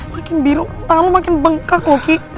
makin biru tangan lo makin bengkak loh ki